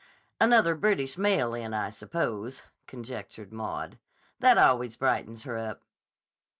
"Another British mail in, I suppose," conjectured Maud. "That always brightens her up."